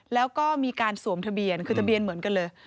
แล้วก็มีการสวมทะเบียนคือทะเบียนเหมือนกันเลย